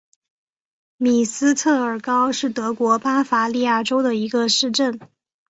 米斯特尔高是德国巴伐利亚州的一个市镇。